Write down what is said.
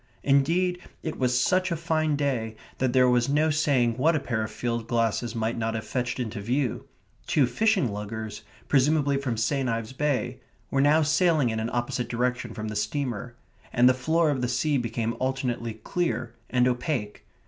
Indeed, it was such a fine day that there was no saying what a pair of field glasses might not have fetched into view. Two fishing luggers, presumably from St. Ives Bay, were now sailing in an opposite direction from the steamer, and the floor of the sea became alternately clear and opaque.